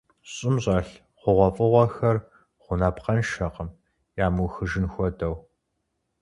ЩӀым щӀэлъ хъугъуэфӀыгъуэхэр гъунапкъэншэкъым, ямыухыжын хуэдэу.